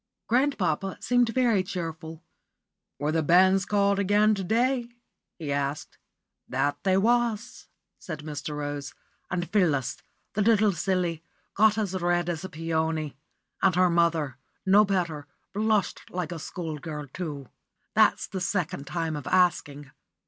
Grandpapa seemed very cheerful. "Were the banns called again to day?" he asked. "That they was," said Mr. Rose; "and Phyllis, the little silly, got as red as a peony, and her mother, no better, blushed like a school girl, too. That's the second time of asking.